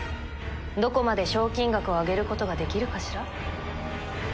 どこまで賞金額を上げることができるかしら。